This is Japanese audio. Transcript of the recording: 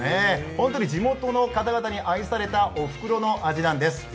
本当に地元の方々に愛されたおふくろの味なんです。